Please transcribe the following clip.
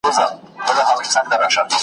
ویښیږي به یو وخت چي اسرافیل وي ستړی سوی .